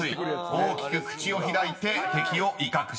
大きく口を開いて敵を威嚇します］